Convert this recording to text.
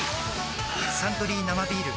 「サントリー生ビール」